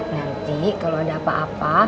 nanti kalau ada apa apa